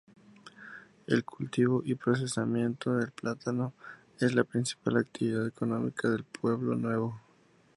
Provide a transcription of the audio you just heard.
El cultivo y procesamiento del plátano es la principal actividad económica de Pueblo Nuevo.